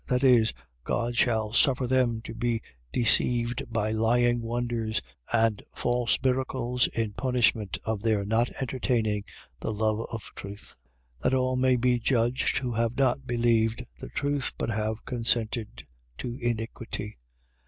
. .That is God shall suffer them to be deceived by lying wonders, and false miracles, in punishment of their not entertaining the love of truth. 2:11. That all may be judged who have not believed the truth but have consented to iniquity.